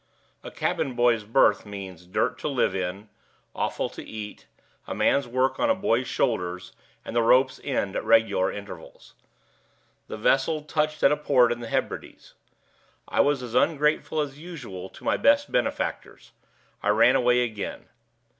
A cabin boy's berth means dirt to live in, offal to eat, a man's work on a boy's shoulders, and the rope's end at regular intervals. The vessel touched at a port in the Hebrides. I was as ungrateful as usual to my best benefactors; I ran away again.